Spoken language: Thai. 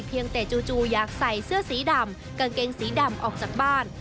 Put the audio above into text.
เพียงแต่จู่อยากใส่เสื้อสีดำกางเกงสีดำออกจากบ้าน